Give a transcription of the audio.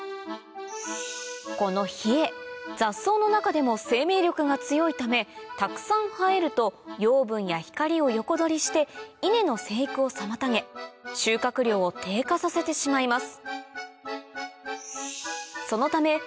このヒエ雑草の中でも生命力が強いためたくさん生えると養分や光を横取りしてイネの生育を妨げ収穫量を低下させてしまいます